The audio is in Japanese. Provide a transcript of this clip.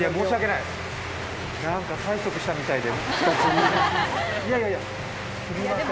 なんか催促したみたいで。